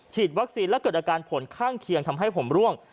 วัคซีนและเกิดอาการผลข้างเคียงทำให้ผมร่วง